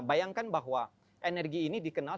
bayangkan bahwa energi ini dikenal